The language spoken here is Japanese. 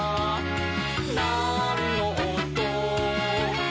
「なんのおと？」